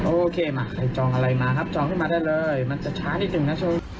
โอเคมาใครจองอะไรมาครับจองขึ้นมาได้เลยมันจะช้านิดหนึ่งนะช่วง